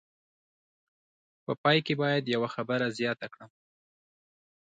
په پای کې باید یوه خبره زیاته کړم.